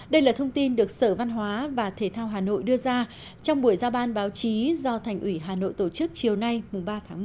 đây là thông tin được sở văn hóa và thể thao hà nội đưa ra trong buổi giao ban báo chí do thành ủy hà nội tổ chức chiều nay ba tháng một